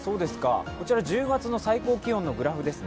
こちら１０月の最高気温のグラフですね。